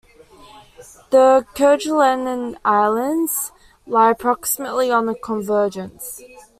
The Kerguelen Islands lie approximately on the Convergence.